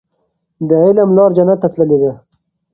د علم لاره جنت ته تللې ده.